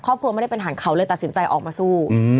ครอบครัวไม่ได้เป็นหันเขาเลยตัดสินใจออกมาสู้